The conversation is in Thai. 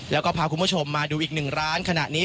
แล้วก็พาคุณผู้ชมมาดูอีกหนึ่งร้านขณะนี้